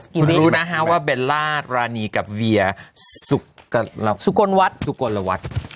คุณรู้นะฮะว่าเบลลาสรานีกับเวียสุกรสุกรวัตต์สุกรวัตต์